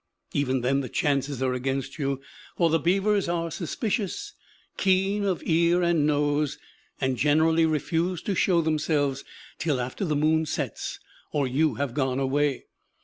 Even then the chances are against you, for the beavers are suspicious, keen of ear and nose, and generally refuse to show themselves till after the moon sets or you have gone away.